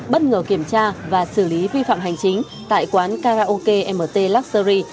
bất ngờ kiểm tra và xử lý vi phạm hành chính tại quán karaoke mt luxury